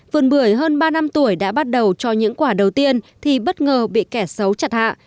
vườn bưởi hơn ba năm tuổi đã bắt đầu cho những quả đầu tiên thì bất ngờ bị kẻ xấu chặt hạ